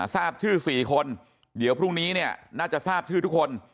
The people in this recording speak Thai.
ทราบชื่อ๔คนเดี๋ยวพรุ่งนี้เนี่ยน่าจะทราบชื่อทุกคน